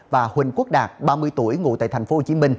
và huỳnh quốc đạt ba mươi tuổi ngụ tại tp hcm